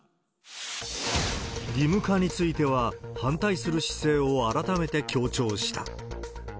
義務化については反対する姿勢を改めて強調した。